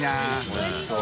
おいしそう。